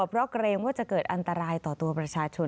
เพราะเกรงว่าจะเกิดอันตรายต่อตัวประชาชน